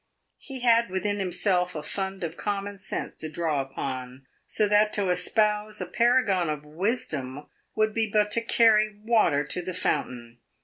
He had within himself a fund of common sense to draw upon, so that to espouse a paragon of wisdom would be but to carry water to the fountain.